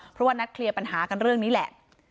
เพราะว่านัดเคลียร์ปัญหากันเรื่องนี้แหละ